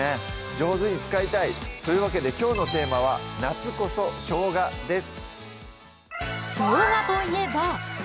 上手に使いたい！というわけできょうのテーマは「夏こそ生姜」です